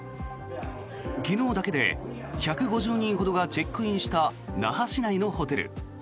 昨日だけで１５０人ほどがチェックインした那覇市内のホテル。